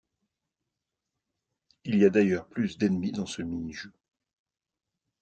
Il y a d’ailleurs plus d'ennemis dans ce mini-jeu.